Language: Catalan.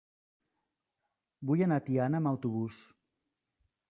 Vull anar a Tiana amb autobús.